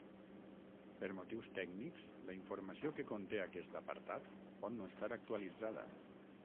Per motius tècnics la informació que conté aquest apartat pot no estar actualitzada.